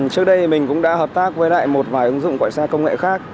trước đây mình cũng đã hợp tác với lại một vài ứng dụng gọi xe công nghệ khác